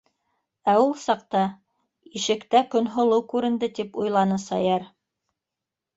Ә ул саҡта... ишектә Көнһылыу күренде тип уйланы Саяр.